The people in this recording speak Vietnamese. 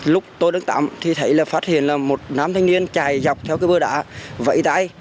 lúc tôi đứng tắm thì thấy là phát hiện là một nám thanh niên chạy dọc theo cái bưa đá vẫy tay